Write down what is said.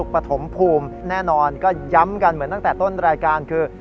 ปฐมภูมิแน่นอนก็ย้ำกันเหมือนตั้งแต่ต้นรายการคือ